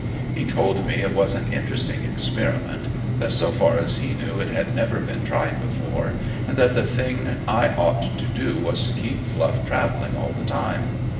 He told me it was an interesting experiment that so far as he knew it had never been tried before and that the thing I ought to do was to keep Fluff traveling all the time.